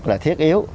thật là thiết yếu